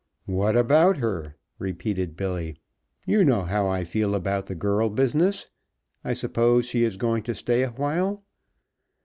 "What about her?" repeated Billy. "You know how I feel about the girl business. I suppose she is going to stay awhile?"